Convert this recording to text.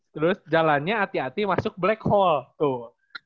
terus jalannya hati hati masuk black hall tuh